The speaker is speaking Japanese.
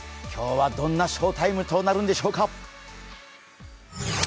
今日はどんな翔タイムとなるんでしょうか。